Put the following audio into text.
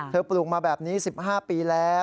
ปลูกมาแบบนี้๑๕ปีแล้ว